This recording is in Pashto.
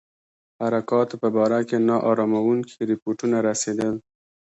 حرکاتو په باره کې نا اراموونکي رپوټونه رسېدل.